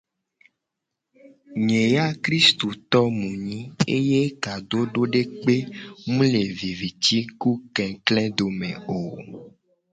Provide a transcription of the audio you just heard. Nye ya kristoto mu nyi eye kadodo dekpe mu le viviti ku kekle dome o.